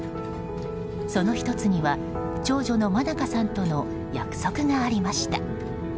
その１つには長女の愛加さんとの約束がありました。